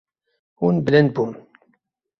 Hûn bilind bûn.